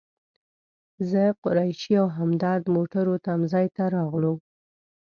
زه، قریشي او همدرد موټرو تم ځای ته راغلو.